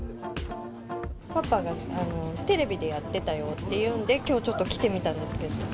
パパが、テレビでやってたよっていうんで、きょうちょっと来てみたんですけれども。